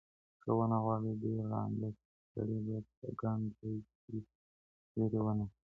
که ونه غواړي، ډېر ړانده سړي به په ګڼ ځای کي ږیري ونه لري.